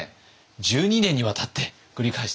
１２年にわたって繰り返した。